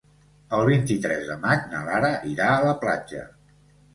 El vint-i-tres de maig na Lara irà a la platja.